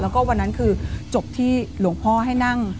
แล้วก็วันนั้นคือจบที่หลวงพ่อให้นั่ง